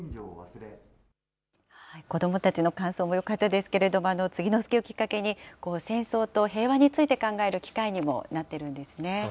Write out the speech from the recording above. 子どもたちの感想もよかったですけれども、継之助をきっかけに、戦争と平和について考える機会にもなっていそうですね。